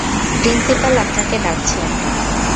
Principal আপনাকে ডাকছেন।